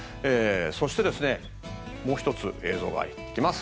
そして、もう１つ映像があります。